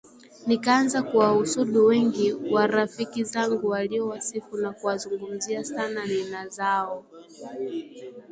Nikaanza kuwahusudu wengi wa rafiki zangu waliowasifu na kuwazumgumzia sana nina zao